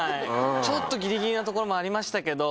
ちょっとギリギリなところもありましたけど。